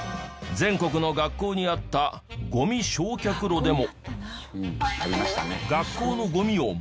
全国の学校にあったゴミ焼却炉でも。